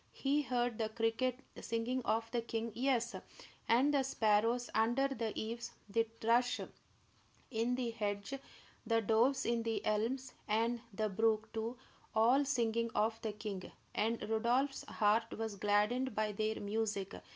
He heard the cricket singing of the king; yes, and the sparrows under the eaves, the thrush in the hedge, the doves in the elms, and the brook, too, all singing of the king; and Rodolph's heart was gladdened by their music.